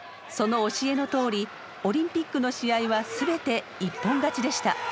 その教えのとおりオリンピックの試合は全て一本勝ちでした。